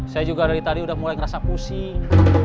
saya juga dari tadi udah mulai ngerasa pusing